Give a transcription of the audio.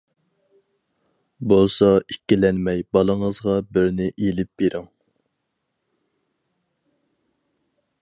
بولسا ئىككىلەنمەي بالىڭىزغا بىرنى ئېلىپ بېرىڭ.